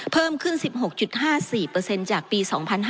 เพิ่มขึ้น๑๖๕๔จากปี๒๕๕๙